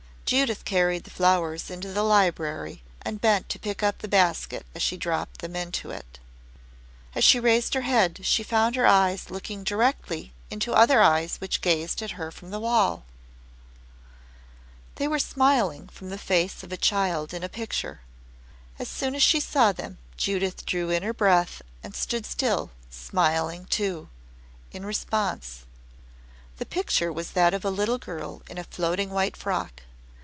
Judith carried the flowers into the library and bent to pick up the basket as she dropped them into it. As she raised her head she found her eyes looking directly into other eyes which gazed at her from the wall. They were smiling from the face of a child in a picture. As soon as she saw them Judith drew in her breath and stood still, smiling, too, in response. The picture was that of a little girl in a floating white frock.